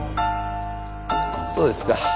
そうですか。